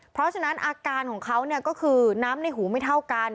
เพราะฉะนั้นอาการของเขาก็คือน้ำในหูไม่เท่ากัน